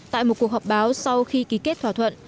tại một cuộc họp báo sau khi ký kết thỏa thuận